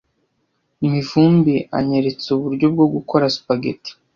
Mivumbi anyeretse uburyo bwo gukora spaghetti.